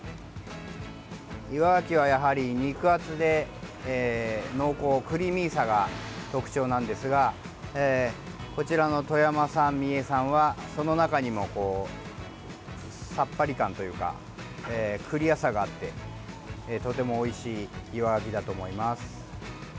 岩がきは、やはり肉厚で濃厚クリーミーさが特徴なんですがこちらの富山産、三重産はその中にも、さっぱり感というかクリアさがあってとてもおいしい岩がきだと思います。